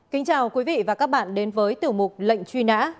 kính chào quý vị và các bạn đến với tiểu mục lệnh truy nã